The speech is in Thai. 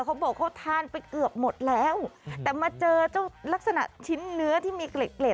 เขาบอกเขาทานไปเกือบหมดแล้วแต่มาเจอเจ้าลักษณะชิ้นเนื้อที่มีเกล็ดเกล็ด